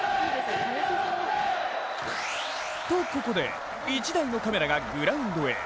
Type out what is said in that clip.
とここで、１台のカメラがグラウンドへ。